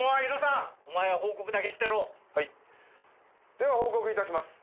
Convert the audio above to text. では報告いたします。